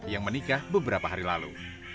yang menikah beberapa hari lalu